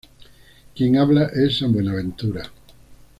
Quien habla es san Buenaventura.